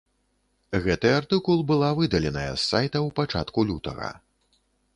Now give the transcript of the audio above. Гэты артыкул была выдаленая з сайта ў пачатку лютага.